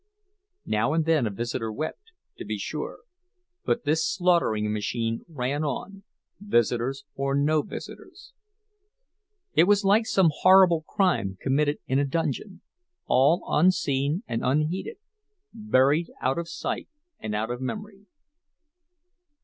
Now and then a visitor wept, to be sure; but this slaughtering machine ran on, visitors or no visitors. It was like some horrible crime committed in a dungeon, all unseen and unheeded, buried out of sight and of memory.